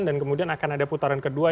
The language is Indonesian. dan kemudian akan ada putaran kedua